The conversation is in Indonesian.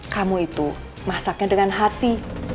kamu itu masaknya dengan hati